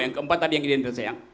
yang keempat tadi yang identitas sayang